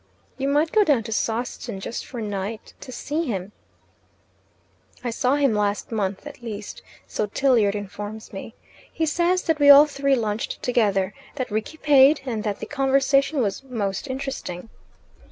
"You might go down to Sawston, just for a night, to see him." "I saw him last month at least, so Tilliard informs me. He says that we all three lunched together, that Rickie paid, and that the conversation was most interesting."